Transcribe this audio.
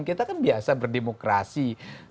kita kan biasa berdemokrasi